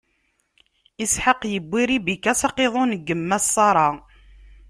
Isḥaq iwwi Ribika s aqiḍun n yemma-s Ṣara.